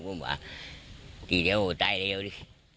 ผมว่าดีเร็วได้เร็วดิ